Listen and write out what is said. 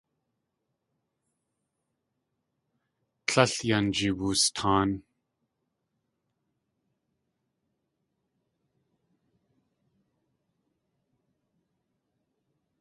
Tlél yan jiwustaan.